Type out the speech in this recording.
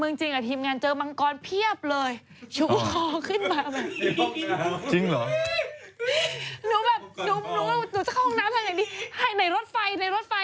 อือนาซีหาหาทองอยู่นั่น